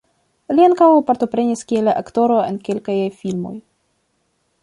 Li ankaŭ partoprenis kiel aktoro en kelkaj filmoj.